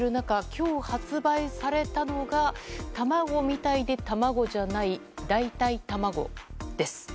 今日、発売されたのが卵みたいで卵じゃない代替卵です。